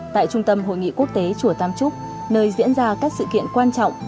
tại trung tâm hội nghị quốc tế chùa tam trúc nơi diễn ra các sự kiện quan trọng